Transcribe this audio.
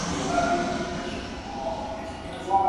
د ادارې په اړه مثبت انځور وړاندې کړئ.